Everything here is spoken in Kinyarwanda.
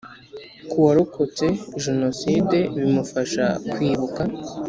Ku warokotse Genocide bimufasha kwibuka